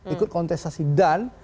ikut kontestasi dan